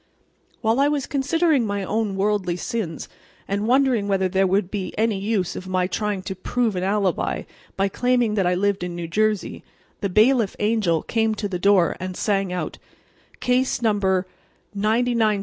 While I was considering my own worldly sins and wondering whether there would be any use of my trying to prove an alibi by claiming that I lived in New Jersey, the bailiff angel came to the door and sang out: "Case No.